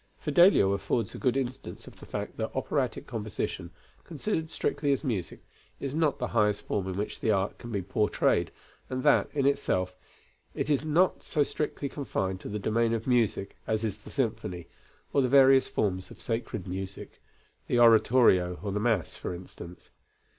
Fidelio affords a good instance of the fact that operatic composition, considered strictly as music, is not the highest form in which the art can be portrayed, and that, in itself, it is not so strictly confined to the domain of music as is the symphony, or the various forms of sacred music (the oratorio or the mass, for instance).